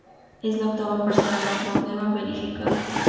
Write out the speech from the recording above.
Es la octava persona más longeva verificada.